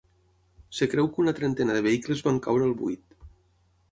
Es creu que una trentena de vehicles van caure al buit.